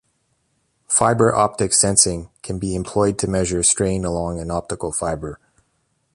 Fiber optic sensing can be employed to measure strain along an optical fiber.